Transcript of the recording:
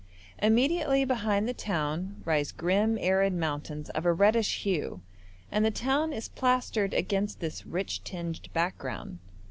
Immediately behind the town rise grim, arid mountains of a reddish hue, and the town is plastered against this rich tinged background.